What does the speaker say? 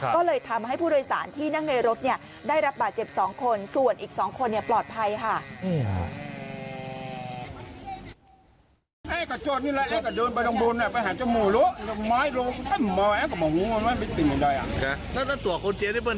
ก็เลยทำให้ผู้โดยสารที่นั่งในรถเนี่ยได้รับบาดเจ็บ๒คนส่วนอีก๒คนปลอดภัยค่ะ